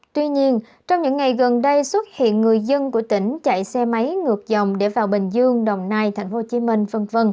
tuy nhiên trong những ngày gần đây xuất hiện người dân của tỉnh chạy xe máy ngược dòng để vào bình dương đồng nai tp hcm v v